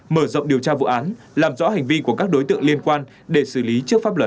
mở rộng điều tra vụ án làm rõ hành vi của các đối tượng liên quan để xử lý trước pháp luật